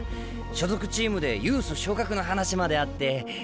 所属チームでユース昇格の話まであって。